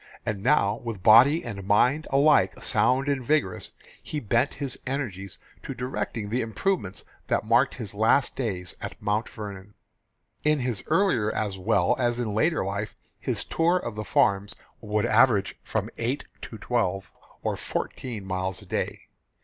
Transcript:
And now with body and mind alike sound and vigorous, he bent his energies to directing the improvements that marked his last days at Mount Vernon. In his earlier as well as in later life, his tour of the farms would average from eight to twelve or fourteen miles a day.